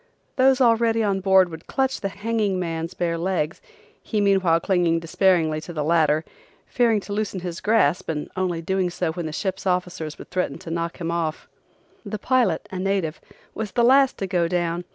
Those already on board would clutch the hanging man's bare legs, he meanwhile clinging despairingly to the ladder, fearing to loosen his grasp and only doing so when the ship officers would threaten to knock him off. The pilot, a native, was the last to go down.